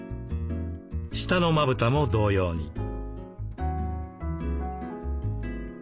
下のまぶたも同様に。